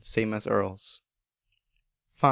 same as Earl's. v.